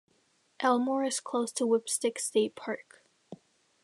Elmore is close to the Whipstick State Park.